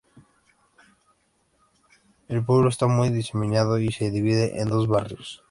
El pueblo está muy diseminado y se divide en dos barrios.